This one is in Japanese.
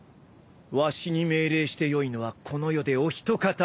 わしに命令してよいのはこの世でお一方のみぞ。